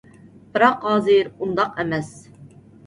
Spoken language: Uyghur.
بىراق ھازىر ئۇنداق ئەمەس.